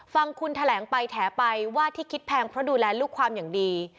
ฟังคุณแถลงไปแถไปว่าที่คิดแพงเพราะดูแลลูกความอย่างดี